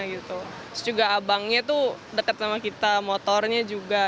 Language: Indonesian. terus juga abangnya tuh dekat sama kita motornya juga